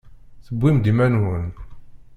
Tewwim-d iman-nwen.